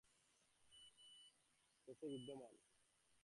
ঐ চাল এখনও পাঞ্জাব, রাজপুতানা, মহারাষ্ট্র ও গুর্জর দেশে বিদ্যমান।